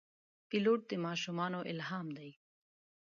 پیلوټ د ماشومانو الهام دی.